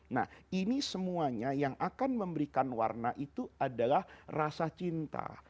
nah ini semuanya yang akan memberikan warna itu adalah rasa cinta